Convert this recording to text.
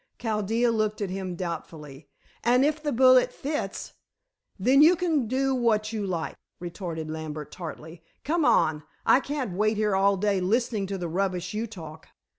Chaldea looked at him doubtfully. "And if the bullet fits " "Then you can do what you like," retorted Lambert tartly. "Come on. I can't wait here all day listening to the rubbish you talk."